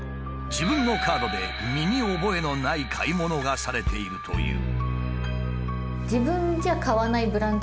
自分のカードで身に覚えのない買い物がされているという。